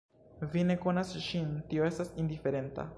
Vi ne konas ŝin, tio estas indiferenta!